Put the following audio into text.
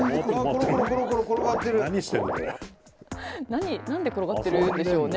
何で転がってるんでしょうね。